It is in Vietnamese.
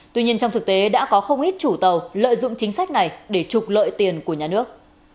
tuy nhiên trong thực tế đã có không ít chủ tàu lợi dụng chính sách này để trục lợi tiền của nhà nước